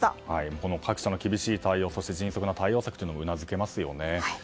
この各社の厳しい対応そして迅速な対応策というのにもうなずけますよね。